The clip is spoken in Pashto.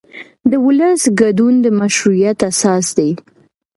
د ولس ګډون د مشروعیت اساس دی